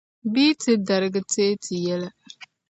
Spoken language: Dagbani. Bɛ yi ti darigi teei ti yɛla.